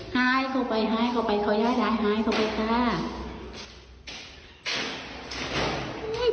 หายเข้าไปหายเข้าไปเขาย้ายหายเข้าไปค่ะ